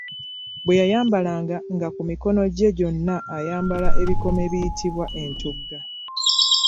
Bwe yayambalanga nga ku mikono gye gyonna ayambala ebikomo ebiyitibwa entugga.